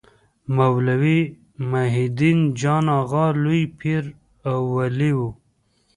مولوي محي الدین جان اغا لوی پير او ولي و.